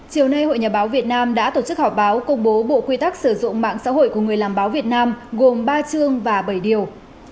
chiều nay hội nhà báo việt nam đã tổ chức họp báo công bố bộ quy tắc sử dụng mạng xã hội của người làm báo việt nam gồm ba chương và bảy điều